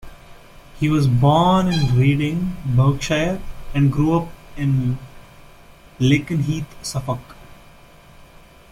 He was born in Reading, Berkshire and grew up in Lakenheath, Suffolk.